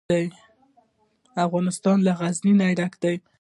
افغانستان له غزني ډک دی.